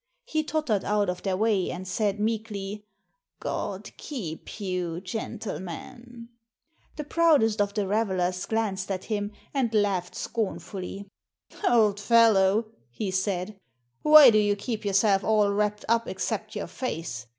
He tottered out of their way and said meekly, " God keep you, gentle men." The proudest of the revelers glanced at him and laughed scornfully. "Old fellow," he said, "why do you keep yourself all wrapped up except your face?